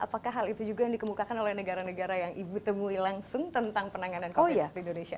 apakah hal itu juga yang dikemukakan oleh negara negara yang ibu temui langsung tentang penanganan covid di indonesia